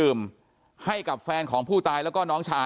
อยู่ดีมาตายแบบเปลือยคาห้องน้ำได้ยังไง